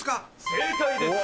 正解です。